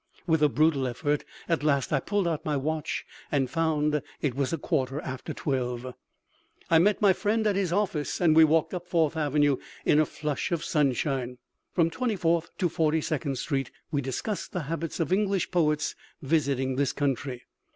With a brutal effort at last I pulled out my watch, and found it was a quarter after twelve. I met my friend at his office, and we walked up Fourth Avenue in a flush of sunshine. From Twenty fourth to Forty second Street we discussed the habits of English poets visiting this country.